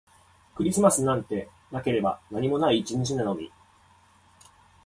クリスマスなんてなければ何にもない一日なのに